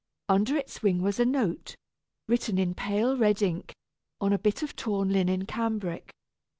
Under its wing was a note, written in pale red ink, on a bit of torn linen cambric.